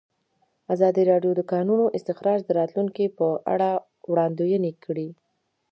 ازادي راډیو د د کانونو استخراج د راتلونکې په اړه وړاندوینې کړې.